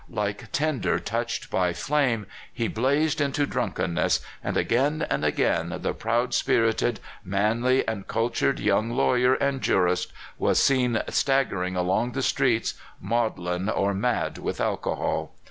Like tinder touched by flame, he blazed into drunk enness, and again and again the proud spirited, manly, and cultured young lawyer and jurist was seen staggering along the streets, maudlin or mad with alcohol.